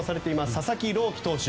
佐々木朗希投手